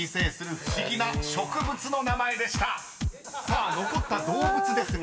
［さあ残った動物ですが］